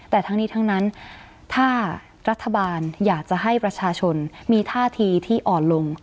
แต่ทั้งนี้ทั้งนั้นถ้ารัฐบาลอยากจะให้ประชาชนมีท่าทีที่อ่อนลง